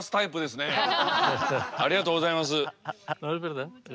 ありがとうございます。